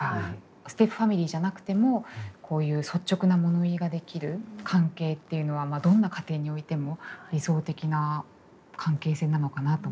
ステップファミリーじゃなくてもこういう率直な物言いができる関係っていうのはどんな家庭においても理想的な関係性なのかなと思いました。